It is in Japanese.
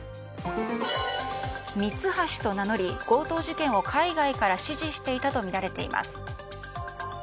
ミツハシと名乗り、強盗事件を海外から指示していたとみられています。